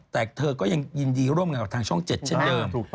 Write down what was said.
แต่เธอก็ยังยินดีร่วมงานกับทางช่อง๗เช่นเดิม